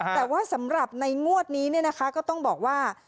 แต่ว่าสำหรับในงวดนี้เนี่ยนะคะก็ต้องบอกว่า